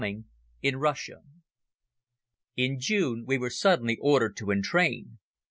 VII Bombing In Russia IN June we were suddenly ordered to entrain.